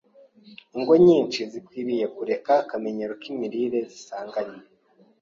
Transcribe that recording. Ingo nyinshi zikwiriye kureka akamenyero k’imirire zisanganywe